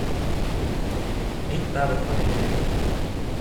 Ain't that a funny name?